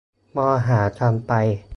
มองหากันไป